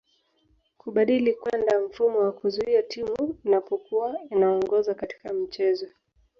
Kubadili kwenda mfumo wa kuzuia Timu inapokua inaongoza katika mchezo